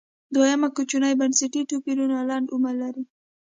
دویم کوچني بنسټي توپیرونه لنډ عمر لري